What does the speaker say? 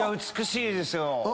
美しいですよ。